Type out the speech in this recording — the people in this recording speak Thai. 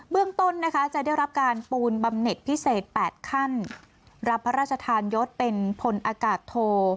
เรื่องต้นนะคะจะได้รับการปูนบำเน็ตพิเศษ๘ขั้นรับพระราชทานยศเป็นพลอากาศโท